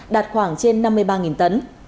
đạt khoảng trên năm mươi ba tấn